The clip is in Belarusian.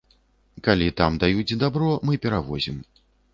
Калі там даюць дабро, мы перавозім.